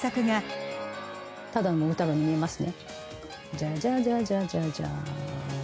ジャジャジャジャジャジャン。